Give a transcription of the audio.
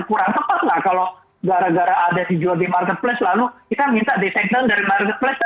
kurang tepat lah kalau gara gara ada dijual di marketplace lalu kita minta disegel dari marketplace